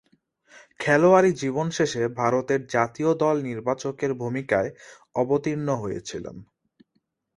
খেলোয়াড়ী জীবন শেষে ভারতের জাতীয় দল নির্বাচকের ভূমিকায় অবতীর্ণ হয়েছিলেন।